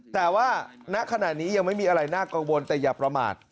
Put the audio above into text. แต่ว่าณขณะนี้ยังไม่มีอะไรน่ากังวลแต่อย่าประมาท